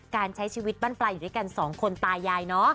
การใช้ชีวิตบ้านปลายอยู่ด้วยกันสองคนตายายเนาะ